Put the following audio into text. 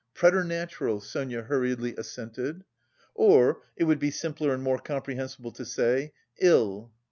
preternatural..." Sonia hurriedly assented. "Or it would be simpler and more comprehensible to say, ill."